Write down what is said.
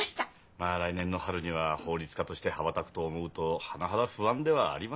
まあ来年の春には法律家として羽ばたくと思うと甚だ不安ではありますがね。